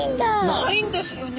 ないんですよね。